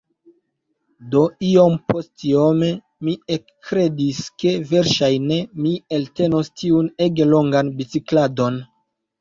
Do, iompostiome mi ekkredis, ke verŝajne mi eltenos tiun ege longan bicikladon.